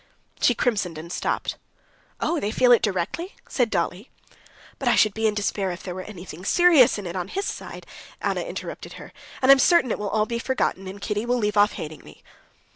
She crimsoned and stopped. "Oh, they feel it directly?" said Dolly. "But I should be in despair if there were anything serious in it on his side," Anna interrupted her. "And I am certain it will all be forgotten, and Kitty will leave off hating me."